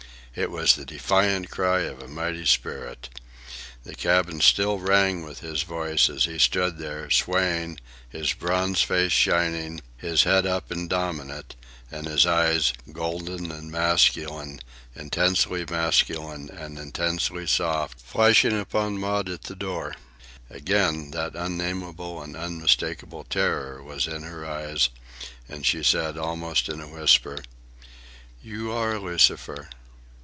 It was the defiant cry of a mighty spirit. The cabin still rang with his voice, as he stood there, swaying, his bronzed face shining, his head up and dominant, and his eyes, golden and masculine, intensely masculine and insistently soft, flashing upon Maud at the door. Again that unnamable and unmistakable terror was in her eyes, and she said, almost in a whisper, "You are Lucifer."